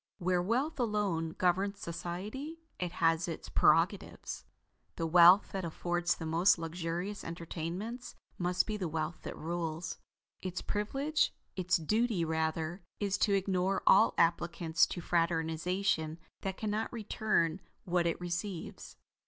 Where wealth alone governs society it has its prerogatives. The wealth that affords the most luxurious entertainments must be the wealth that rules. Its privilege its duty rather is to ignore all applicants to fraternization that cannot return what it receives.